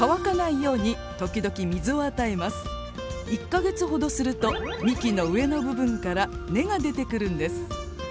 １か月ほどすると幹の上の部分から根が出てくるんです。